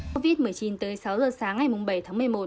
covid một mươi chín tới sáu giờ sáng ngày bảy tháng một mươi một